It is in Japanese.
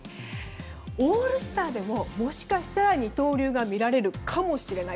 オールスターでももしかしたら二刀流が見られるかもしれない。